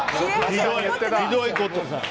ひどいことを。